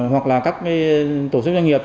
hoặc là các tổ chức doanh nghiệp